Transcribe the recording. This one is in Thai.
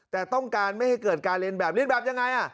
แต่ต้องการไม่ให้เกิดการเรียนแบบเรียนแบบยังไง